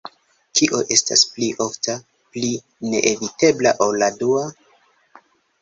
Kio estas pli ofta, pli neevitebla ol la dua?